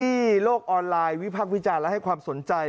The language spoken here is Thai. โลกออนไลน์วิพักษ์วิจารณ์และให้ความสนใจ